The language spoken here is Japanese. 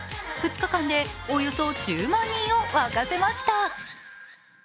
２日間でおよそ１０万人を沸かせました。